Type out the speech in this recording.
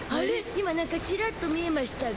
今なんかチラッと見えましゅたが。